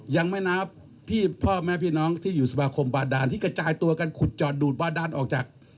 ยังไม่นับพี่พ่อแม่พี่น้องที่อยู่สมาคมบาดานที่กระจายตัวกันขุดจอดดูดบาดานออกจาก